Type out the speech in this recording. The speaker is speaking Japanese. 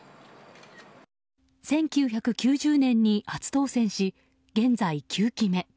１９９０年に初当選し現在、９期目。